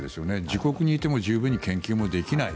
自国にいても十分に研究もできない。